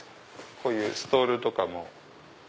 こういうストールとかも。